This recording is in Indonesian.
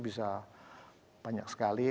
bisa banyak sekali